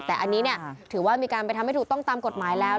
แต่อันนี้ถือว่ามีการไปทำให้ถูกต้องตามกฎหมายแล้ว